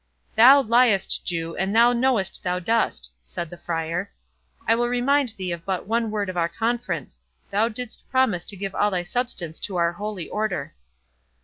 "Thou liest, Jew, and thou knowest thou dost." said the Friar; "I will remind thee of but one word of our conference—thou didst promise to give all thy substance to our holy Order."